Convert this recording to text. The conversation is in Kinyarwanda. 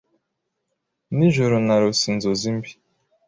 Nijoro narose inzozi mbi.